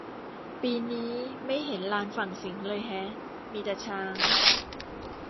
ปีนี้ไม่เห็นลานฝั่งสิงห์เลยแฮะ มีแต่ช้าง